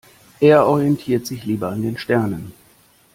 Er orientiert sich lieber an den Sternen.